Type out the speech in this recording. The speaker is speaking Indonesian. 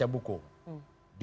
waktu itu soekarno mandi